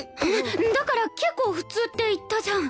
だから結構普通って言ったじゃん。